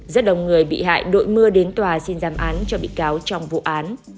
rất đông người bị hại đội mưa đến tòa xin giảm án cho bị cáo trong vụ án